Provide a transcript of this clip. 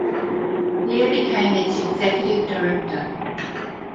Leahy became its executive director.